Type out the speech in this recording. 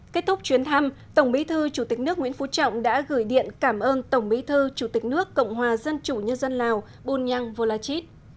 kết thúc chuyến thăm tổng bí thư chủ tịch nước nguyễn phú trọng đã gửi điện cảm ơn tổng bí thư chủ tịch nước cộng hòa dân chủ nhân dân lào bunyang volachit